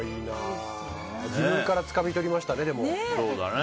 自分から掴み取りましたね。